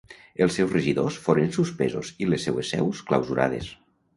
Els seus regidors foren suspesos i les seues seus clausurades.